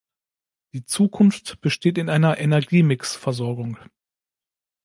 Die Zukunft besteht in einer Energiemix-Versorgung.